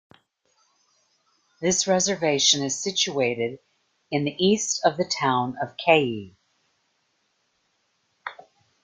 This reservation is situated in the east of the town of Cayey.